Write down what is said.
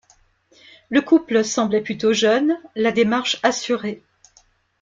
Le couple semblait plutôt jeune, la démarche assurée.